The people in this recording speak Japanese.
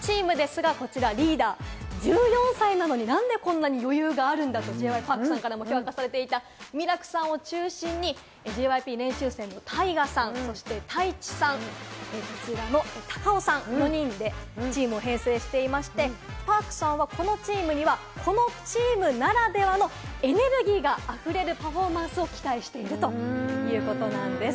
まずミラクチームですが、こちら、リーダー１４歳なのに、なんでこんなに余裕があるんだろうと、Ｊ．Ｙ．Ｐａｒｋさんからも話されていたミラクさんを中心に、ＪＹＰ練習生のタイガさん、タイチさん、こちらのタカオさん４人でチームを編成していまして、Ｐａｒｋさんはこのチームにはこのチームならではのエネルギーがあふれるパフォーマンスを期待しているということなんです。